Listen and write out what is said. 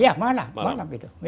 iya malam malam itu